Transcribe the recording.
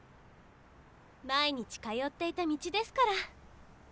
毎日通っていた道ですから。